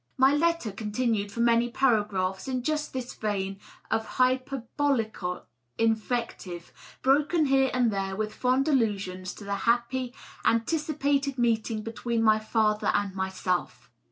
.. My letter continued for many paragraphs in just this vein of hyperbolical invective, broken here and there with fond allusions to the happy antici pated meeting between my father and myself.